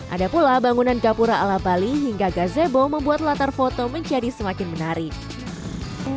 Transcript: ada pula bangunan gapura ala bali hingga gazebo membuat latar foto menjadi semakin menarik